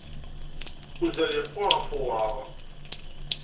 Uzzal yeqqur ɣef wureɣ.